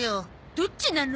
どっちなの？